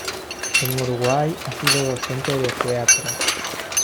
En Uruguay ha sido docente de teatro.